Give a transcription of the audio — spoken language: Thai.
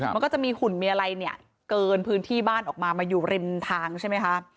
มันก็จะมีหุ่นมีอะไรเนี่ยเกินพื้นที่บ้านออกมามาอยู่ริมทางใช่ไหมคะ